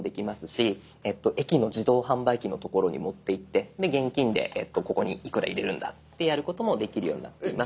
し駅の自動販売機のところに持っていって現金でここにいくら入れるんだってやることもできるようになっています。